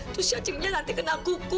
terus cacingnya nanti kena kuku